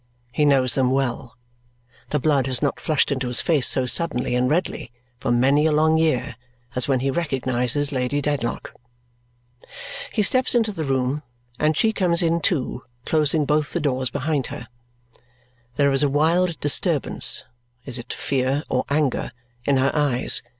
He knows them well. The blood has not flushed into his face so suddenly and redly for many a long year as when he recognizes Lady Dedlock. He steps into the room, and she comes in too, closing both the doors behind her. There is a wild disturbance is it fear or anger? in her eyes.